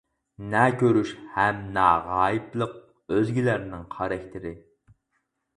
نە كۆرۈش ھەم نە غايىبلىق-ئۆزگىلەرنىڭ خاراكتېرى.